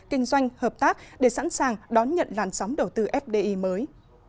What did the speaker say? kinh doanh hợp tác để sẵn sàng đón nhận làn sóng đầu tư fdi mới